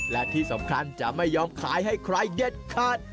และที่สำคัญจะไม่ยอมขายให้ใครเด็ดขาด